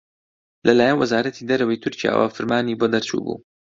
لەلایەن وەزارەتی دەرەوەی تورکیاوە فرمانی بۆ دەرچووبوو